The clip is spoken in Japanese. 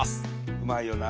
うまいよな。